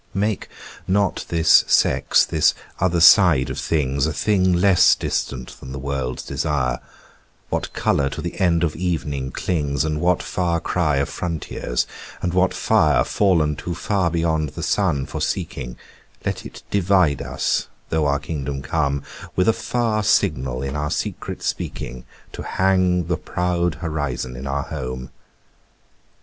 Make not this sex, this other side of things, A thing less distant than the world's desire; What colour to the end of evening clings And what far cry of frontiers and what fire Fallen too far beyond the sun for seeking, Let it divide us though our kingdom come; With a far signal in our secret speaking To hang the proud horizon in our home.